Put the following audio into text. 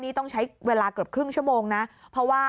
นี่ต้องใช้เวลาเกือบครึ่งชั่วโมงนะเพราะว่า